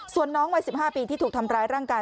ส่วนน้องวัย๑๕ปีที่ถูกทำร้ายร่างกาย